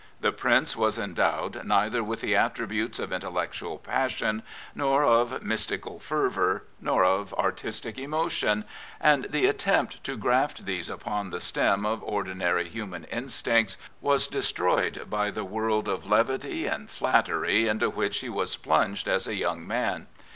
The Prince was endowed neither with the attributes of intellectual passion, nor of mystical fervour, nor of artistic emotion, and the attempt to graft these upon the stem of ordinary human instincts was destroyed by the world of levity and flattery into which he was plunged as a young man.